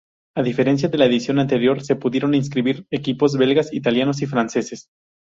A diferencia de la edición anterior, se pudieron inscribir equipos belgas, italianos y franceses.